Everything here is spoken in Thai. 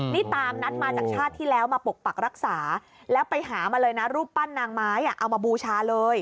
นี่ตามนัดมาจากชาติที่แล้วมาปกปักรักษาแล้วไปหามาเลยนะรูปปั้นนางไม้เอามาบูชาเลย